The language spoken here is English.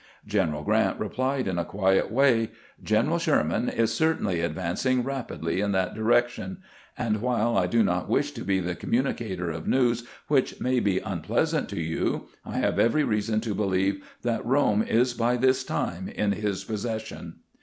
General Grant replied in a quiet way :" General Sherman is certainly advancing rapidly in that direction ; and while I do not wish to be the communi cator of news which may be unpleasant to you, I have every reason to believe that Rome is by this time in his possession."